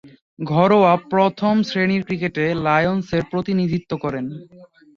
ঘরোয়া প্রথম-শ্রেণীর ক্রিকেটে লায়ন্সের প্রতিনিধিত্ব করেন।